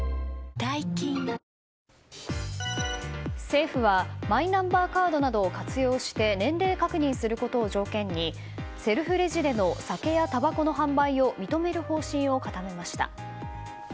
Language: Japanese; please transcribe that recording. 政府はマイナンバーカードなどを活用して年齢確認することを条件にセルフレジでの酒やたばこの販売を認める方針を固めました。